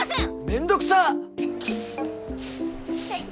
めんどくさ！